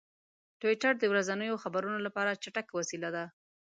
ټویټر د ورځنیو خبرونو لپاره چټک وسیله ده.